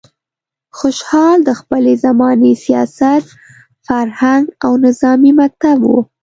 خوشحال د خپلې زمانې سیاست، فرهنګ او نظامي مکتب و.